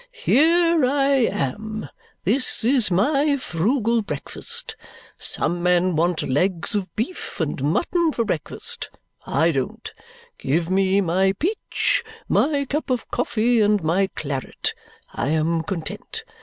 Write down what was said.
"Here I am! This is my frugal breakfast. Some men want legs of beef and mutton for breakfast; I don't. Give me my peach, my cup of coffee, and my claret; I am content.